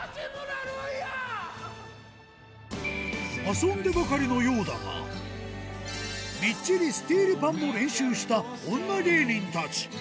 遊んでばかりのようだが、みっちりスティールパンも練習した女芸人たち。